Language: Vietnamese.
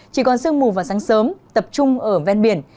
chỉ còn sương mù vào sáng sớm tập trung ở ven biển